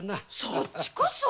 そっちこそ！